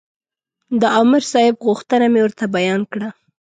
د عامر صاحب غوښتنه مې ورته بیان کړه.